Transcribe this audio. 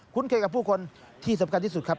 เคยกับผู้คนที่สำคัญที่สุดครับ